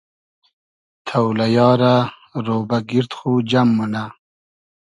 تۆلئیا رۂ رۉبۂ گیرد خو جئم مونۂ